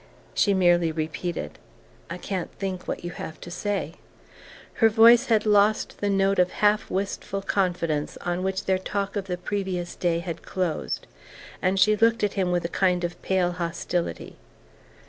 She merely repeated: "I can't think what you can have to say." Her voice had lost the note of half wistful confidence on which their talk of the previous day had closed, and she looked at him with a kind of pale hostility.